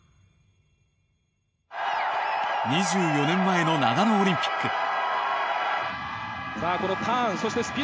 ２４年前の長野オリンピック。